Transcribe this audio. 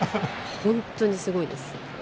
本当にすごいです。